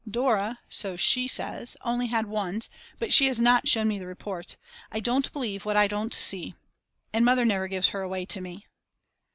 Dora, so she says, has only ones, but she has not shown me the report. I don't believe what I don't see. And Mother never gives her away to me.